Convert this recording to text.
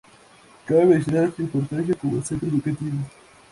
Cabe mencionar su importancia como centro educativo.